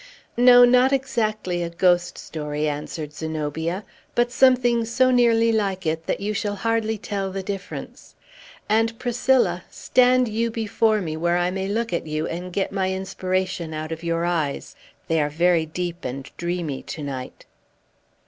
"No, not exactly a ghost story," answered Zenobia; "but something so nearly like it that you shall hardly tell the difference. And, Priscilla, stand you before me, where I may look at you, and get my inspiration out of your eyes. They are very deep and dreamy to night."